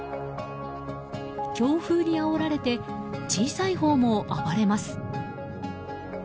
強風にあおられて小さいほうも暴れます。